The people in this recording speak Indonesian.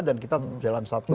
dan kita tetap dalam satu negara